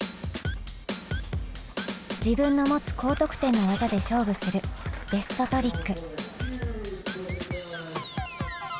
自分の持つ高得点の技で勝負するベストトリック。